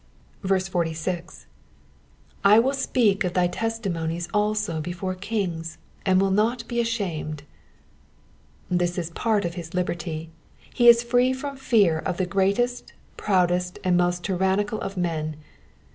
46. *^Z toill tpeak of thy testimonies also hefore kings^ and toill not he ashamed,'''* This is part of his liberty; he is free from fear of the greatest, proudest, and most tyrannical of men.